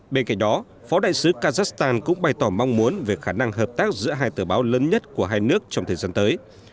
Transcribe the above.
bên cạnh đó phó đại sứ kazakhstan cũng bày tỏ mong muốn về khả năng hợp tác giữa hai tờ báo lớn nhất của hai nước trong thời gian tới